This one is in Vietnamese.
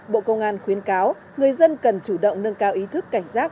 bộ công an khuyến cáo người dân cần chủ động nâng cao ý thức cảnh giác